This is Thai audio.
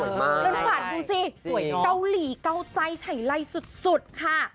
นั่นขวาดดูสิเกาหลีเกาใจฉัยไล่สุดค่ะ